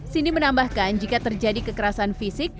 cindy menambahkan jika terjadi kekerasan fisik